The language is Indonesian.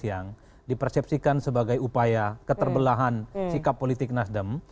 yang dipersepsikan sebagai upaya keterbelahan sikap politik nasdem